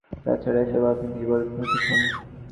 তাছাড়া, এসব আজ কী বলিতেছে কুসুম?